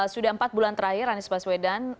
sudah empat bulan terakhir anies baswedan